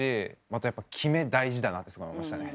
あとやっぱ「決め」大事だなってすごい思いましたね。